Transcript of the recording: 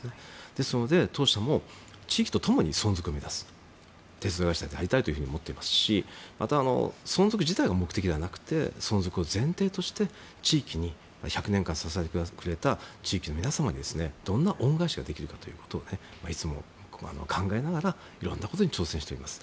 ですので当社も地域と共に存続を目指す鉄道会社でありたいと思っていますしまた、存続自体が目的ではなくて存続を前提として１００年間支えてくれた地域の皆さんにどんな恩返しができるのかをいつも考えながらいろんなことに挑戦しています。